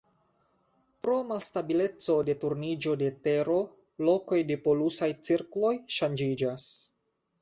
Pro malstabileco de turniĝo de Tero lokoj de polusaj cirkloj ŝanĝiĝas.